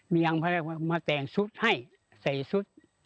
เมียงพระเจ้ามาแต่งสุดให้ใส่สุด